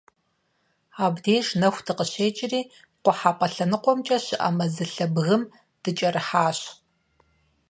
Абдеж нэху дыкъыщекIри, къухьэпIэ лъэныкъуэмкIэ щыIэ мэзылъэ бгым дыкIэрыхьащ.